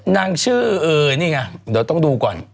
นางชื่อเออนี่ไงเดี๋ยวต้องดูก่อน